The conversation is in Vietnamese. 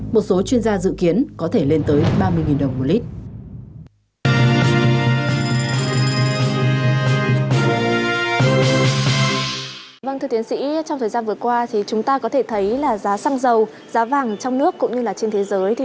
một số chuyên gia dự kiến có thể lên tới ba mươi đồng một lít